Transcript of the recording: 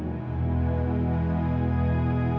bikin saya peduli yang ter vereiniti